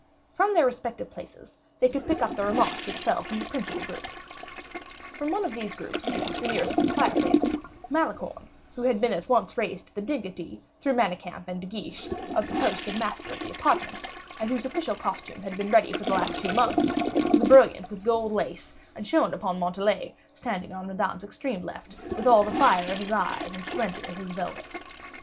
From their respective places they could pick up the remarks which fell from the principal group. From one of these groups, the nearest to the fireplace, Malicorne, who had been at once raised to the dignity, through Manicamp and De Guiche, of the post of master of the apartments, and whose official costume had been ready for the last two months, was brilliant with gold lace, and shone upon Montalais, standing on Madame's extreme left, with all the fire of his eyes and splendor of his velvet.